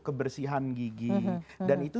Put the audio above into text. kebersihan gigi dan itu